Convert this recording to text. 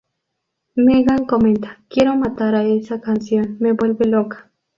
Megan comenta: ""Quiero matar a esa canción, me vuelve loca!